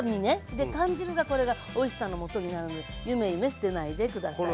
で缶汁がこれがおいしさのもとになるのでゆめゆめ捨てないで下さい。